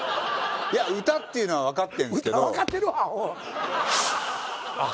いや歌っていうのは分かってんすけどあっ